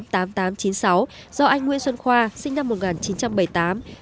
do anh nguyễn xuân khoa sinh năm một nghìn chín trăm bảy mươi tám